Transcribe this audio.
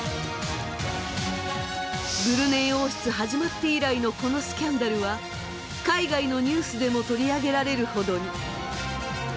ブルネイ王室始まって以来のこのスキャンダルは海外のニュースでも取り上げられるほどに。